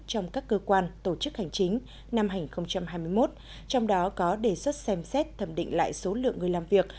trong các cơ quan tổ chức hành chính năm hai nghìn hai mươi một trong đó có đề xuất xem xét thẩm định lại số lượng người làm việc